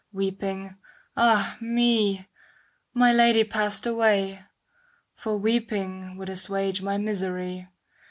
Weeping, ah me ! my Lady passed away, For weeping would assuage my misery.